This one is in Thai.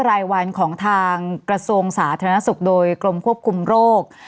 รายวันของทางกระทรวงสาธารณสุขโดยกรมควบคุมโรค